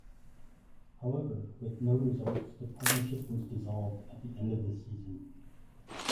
However, with no results, the partnership was dissolved at the end of the season.